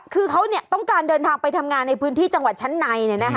คือเขาต้องการเดินทางไปทำงานในพื้นที่จังหวัดชั้นใน